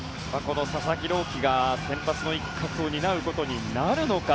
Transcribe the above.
佐々木朗希が、先発の一角を担うことになるのか。